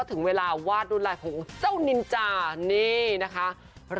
ไม่มีใครรู้ว่ายุเป็นใคร